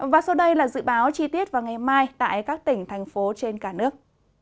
và sau đây là dự báo chi tiết vào ngày mai tại các tỉnh thành phố trên cả nước